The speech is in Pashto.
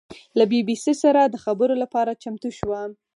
له بي بي سي سره د خبرو لپاره چمتو شوه.